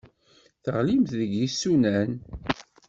Teɣlimt deg yisunan.